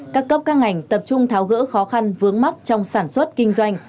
các cấp các ngành tập trung tháo gỡ khó khăn vướng mắt trong sản xuất kinh doanh